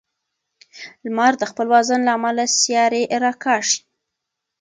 لمر د خپل وزن له امله سیارې راکاږي.